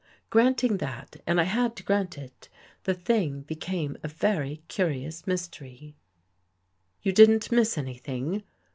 Granting that, and I had to grant it, the thing became a very curious mystery. "You didn't miss anything?"